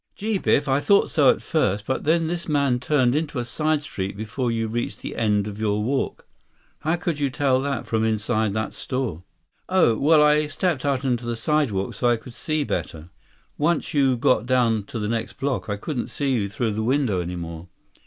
"Gee, Biff. I thought so at first. But then this man turned into a side street before you reached the end of your walk." "How could you tell that, from inside that store?" "Oh? Well, I stepped out on the sidewalk, so I could see better. Once you got down to the next block, I couldn't see you through the window any more."